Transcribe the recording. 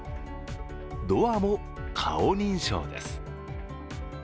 ドアも顔認証です。